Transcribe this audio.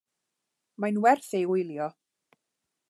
Mae'n werth ei wylio.